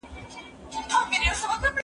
په عزت به یادېدی په قبیله کي